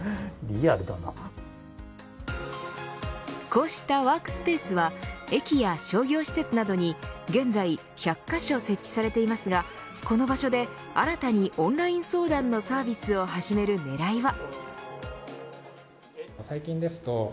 こうしたワークスペースは駅や商業施設などに現在１００カ所設置されていますがこの場所で新たにオンライン相談のサービスを始める狙いは。